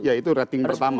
ya itu rating pertama